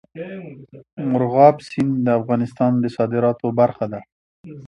مورغاب سیند د افغانستان د صادراتو برخه ده.